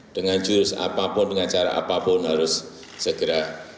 dengan jurus apapun dengan cara apapun harus dengan jurus apapun dengan cara apapun harus